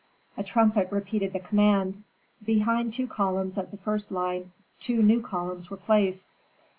A trumpet repeated the command. Behind two columns of the first line two new columns were placed.